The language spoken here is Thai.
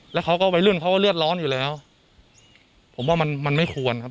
แล้วเขาก็วัยรุ่นเขาก็เลือดร้อนอยู่แล้วผมว่ามันมันไม่ควรครับ